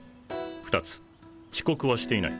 ２つ遅刻はしていない。